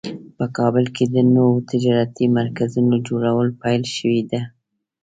په کابل کې د نوو تجارتي مرکزونو جوړول پیل شوی ده